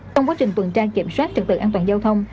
trong quá trình tuần tra kiểm soát trật tự an toàn giao thông